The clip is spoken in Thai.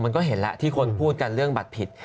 มันก็เห็นแล้วที่คนพูดกันเรื่องบัตรผิด